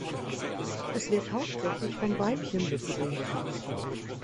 Es wird hauptsächlich vom Weibchen bebrütet.